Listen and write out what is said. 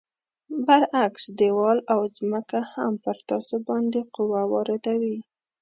برعکس دیوال او ځمکه هم پر تاسو باندې قوه واردوي.